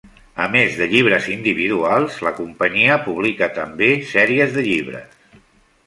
A més de llibres individuals, la companyia publica també sèries de llibres.